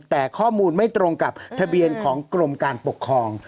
แต่ข้อมูลไม่ตรงกับทะเบียนของกรมการปกครอง